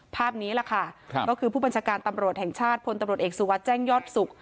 ภาพนี้แหละค่ะก็คือผู้บัญชาการตำรวจแห่งชาติพลตำรวจเอกสุวัสดิ์แจ้งยอดสุข